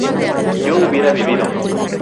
yo hubiera vivido